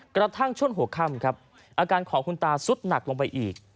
กระทั่งช่วงหัวค่ำครับอาการของคุณตาสุดหนักลงไปอีก